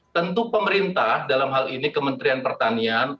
tentu pemerintah dalam hal ini kementerian pertanian